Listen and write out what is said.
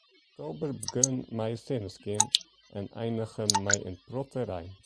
Oktober begûn mei sinneskyn en einige mei in protte rein.